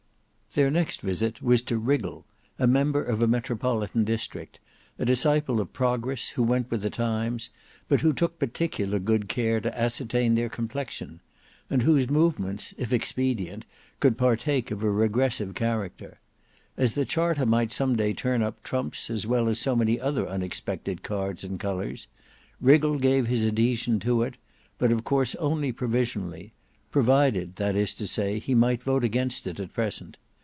Their next visit was to WRIGGLE, a member for a metropolitan district, a disciple of Progress, who went with the times, but who took particular good care to ascertain their complexion; and whose movements if expedient could partake of a regressive character. As the Charter might some day turn up trumps as well as so many other unexpected cards and colours, Wriggle gave his adhesion to it, but of course only provisionally; provided that is to say, he might vote against it at present.